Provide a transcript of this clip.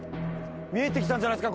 見えてきたんじゃないですか。